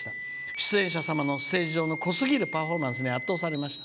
出演者様のステージ上の濃すぎるパフォーマンスに圧倒されました。